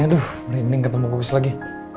aduh merinding ketemu gue besok lagi